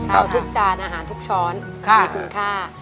เอาทุกจานอาหารทุกช้อนมีคุณค่า